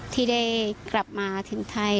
ที่ได้กลับมาถึงไทย